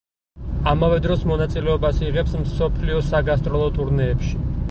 ამავე დროს მონაწილეობას იღებს მსოფლიო საგასტროლო ტურნეებში.